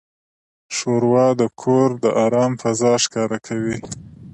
ښوروا د کور د آرام فضا ښکاره کوي.